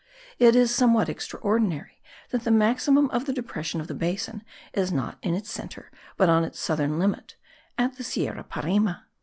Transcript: It is somewhat extraordinary that the maximum of the depression of the basin is not in its centre, but on its southern limit, at the Sierra Parime.